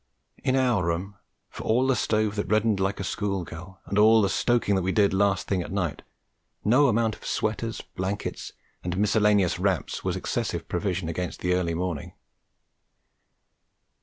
In our room, for all the stove that reddened like a schoolgirl, and all the stoking that we did last thing at night, no amount of sweaters, blankets, and miscellaneous wraps was excessive provision against the early morning.